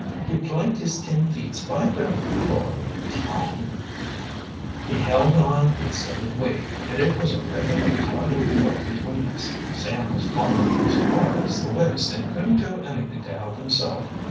He planked his ten feets by der floor town " "He held on and so did we, and it was a regular tug of war between us. Sam was swallowed as far as the waist, and couldn't do anything to help himself.